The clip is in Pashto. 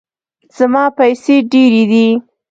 زما پیسې ډیرې دي